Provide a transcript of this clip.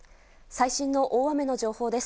最新の大雨の情報です。